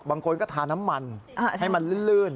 บางคนก็ทาน้ำมันให้มันลื่น